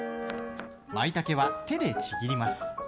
まいたけは手でちぎります。